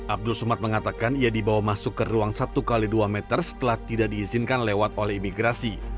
abdul somad mengatakan ia dibawa masuk ke ruang satu x dua meter setelah tidak diizinkan lewat oleh imigrasi